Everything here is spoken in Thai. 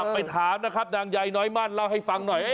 ไปถามนะครับนางยายน้อยมั่นเล่าให้ฟังหน่อย